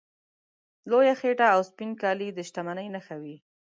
لویه خېټه او سپین کالي د شتمنۍ نښې وې.